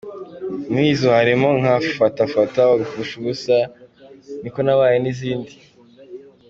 Muri izo harimo nka Fata fata, Bagupfusha ubusa, Niko nabaye n’izindi.